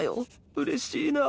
うれしいなあ。